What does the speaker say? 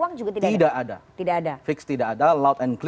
itu tidak ada tawaran dari istana soal posisi menteri ke pks